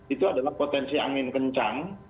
itu adalah potensi angin kencang